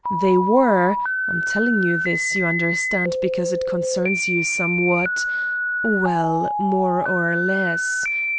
They were I'm telling you this, you understand, because it concerns you somewhat: well, more or less.